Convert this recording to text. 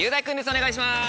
お願いします。